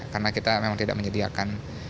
karena kita memang tidak menyediakan